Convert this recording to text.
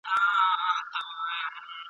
زه چي مي په تور وېښته زلمی در څخه تللی یم ..